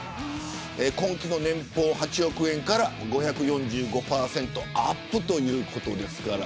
今季の年俸の８億円から５４５％アップということですから。